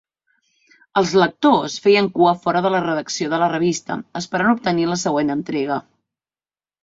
Els lectors feien cua fora de la redacció de la revista, esperant obtenir la següent entrega.